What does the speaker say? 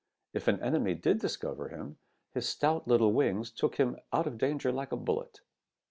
If an enemy did discover him, his stout little wings took him out of danger like a bullet.